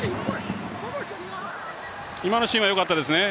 今のシーンはよかったですね。